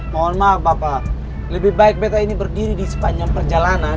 mohon maaf bapak lebih baik beta ini berdiri di sepanjang perjalanan